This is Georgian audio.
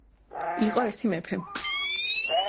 იყო ერთი მეფე